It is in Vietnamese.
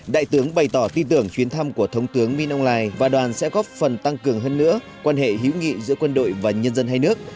đại tướng bày tỏ tin tưởng chuyến thăm của thống tướng minh âu lài và đoàn sẽ góp phần tăng cường hơn nữa quan hệ hữu nghị giữa quân đội và nhân dân hai nước